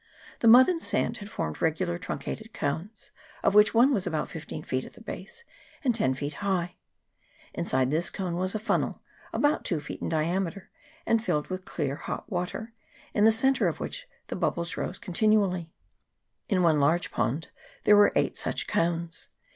The mud and sand had formed regular truncated cones, of which one was about fifteen feet at the base, and ten feet high ; inside this cone was a funnel, about two CHAP. XXIII.] BOILING MUD PONDS. 329 feet in diameter, and filled with clear hot water, in the centre of which the bubbles rose continually. In one large pond there were eight such cones.